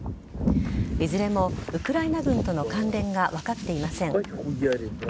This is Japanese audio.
いずれもウクライナ軍との関連が分かっていません。